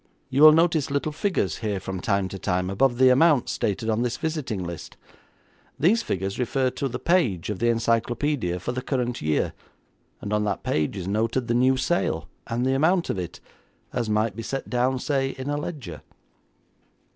You will notice little figures here from time to time above the amount stated on this visiting list. These figures refer to the page of the encyclopaedia for the current year, and on that page is noted the new sale, and the amount of it, as it might be set down, say, in a ledger.'